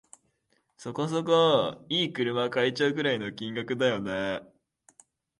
そこそこ良い車買えちゃうくらいの金額